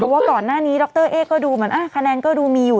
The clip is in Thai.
ก่อนหน้านี้ดรเอ๊ะก็ดูเหมือนคะแนนก็ดูมีอยู่